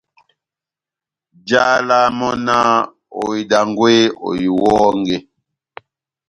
Njálá mɔ́ náh :« Ohidangwe, ohiwɔnge !»